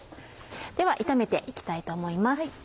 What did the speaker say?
では炒めて行きたいと思います。